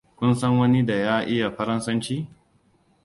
Kun san wani da ya iya Faransanci?